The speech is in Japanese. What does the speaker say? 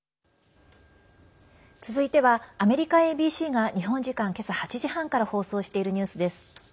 続いてはアメリカＡＢＣが日本時間、今朝８時半から放送しているニュースです。